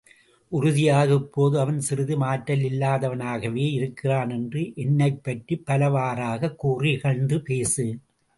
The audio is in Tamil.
உறுதியாக இப்போது அவன் சிறிதும் ஆற்றல் இல்லாதவனாகவே இருக்கிறான் என்று என்னைப் பற்றிப் பலவாறாகக் கூறி இகழ்ந்து பேசு.